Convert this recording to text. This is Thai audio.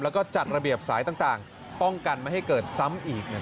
แล้วก็จัดระเบียบสายต่างป้องกันไม่ให้เกิดซ้ำอีก